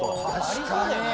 ありそうだよね。